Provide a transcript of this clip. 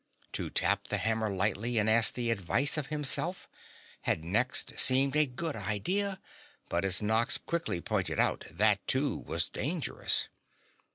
To tap the hammer lightly and ask the advice of Himself had next seemed a good idea, but as Nox quickly pointed out, that, too, was dangerous.